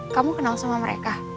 kamu kenal sama mereka